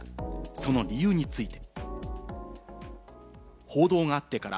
その理由について。